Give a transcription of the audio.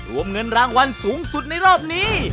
รวมเงินรางวัลสูงสุดในรอบนี้